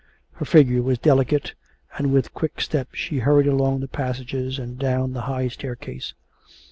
Her figure was delicate, and with quick steps she hurried along the passages and down the high staircase.